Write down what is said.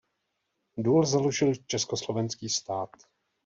Důl založil československý stát.